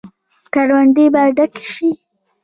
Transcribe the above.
کروندې به ډکې شي.